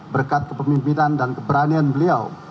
berkat kepemimpinan dan keberanian beliau